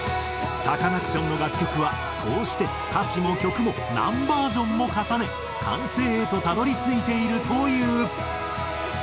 サカナクションの楽曲はこうして歌詞も曲も何バージョンも重ね完成へとたどり着いているという。